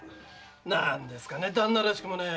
何ですかね旦那らしくもない！